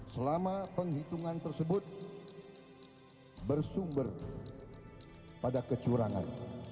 selama penghitungan tersebut bersumber pada kecurangan